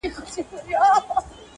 پر کټ نرم ځای راته جوړ کړ